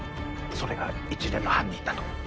それが一連の犯人だと。